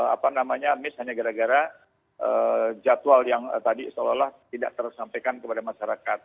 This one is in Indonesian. apa namanya miss hanya gara gara jadwal yang tadi seolah olah tidak tersampaikan kepada masyarakat